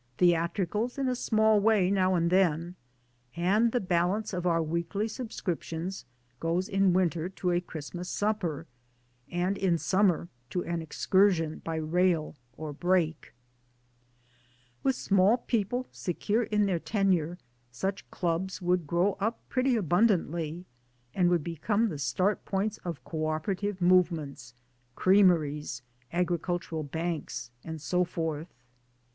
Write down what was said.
Theatricals, in a small way, now and then. And the balance of our weekly subscriptions goes in winter to a Christmas supper, and in summer to an excursion by rail or brake. With small people secure in their tenure, such' Clubs would grow up pretty abundantly and would become the start points of co operative movements, creameries, agricultural Banks, and so forth.